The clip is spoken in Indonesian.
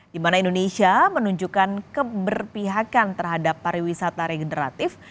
di mana indonesia menunjukkan keberpihakan terhadap pariwisata regeneratif